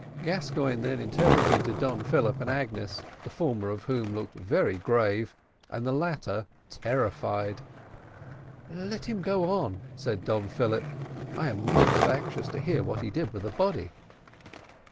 Gascoigne then interpreted to Don Philip and Agnes, the former of whom looked very grave and the latter terrified. "Let him go on," said Don Philip; "I am most anxious to hear what he did with the body."